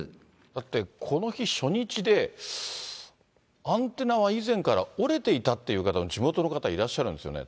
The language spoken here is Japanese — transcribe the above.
だって、この日、初日で、アンテナは以前から折れていたって言う方が、地元の方がいらっしゃるんですよね。